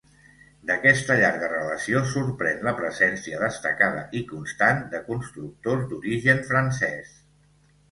D'aquesta llarga relació sorprèn la presència destacada i constant de constructors d'origen francès.